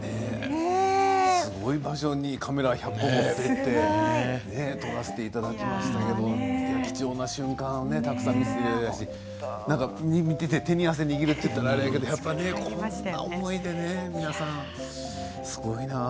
すごい場所にカメラ１００台撮らせていただきましたけれど貴重な瞬間をたくさん見せていただいたし手に汗握ると言ったらあれだけどあんな思いで、皆さんすごいな。